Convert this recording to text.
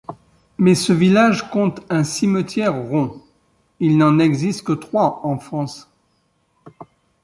Mais ce village compte un cimetière rond, il n'en existe que trois en France.